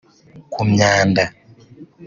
ku myanda